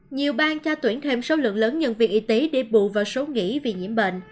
nhiều bang cho tuyển thêm số lượng lớn nhân viên y tế để bù vào số nghỉ vì nhiễm bệnh